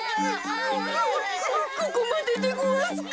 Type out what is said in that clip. こここまででごわすか。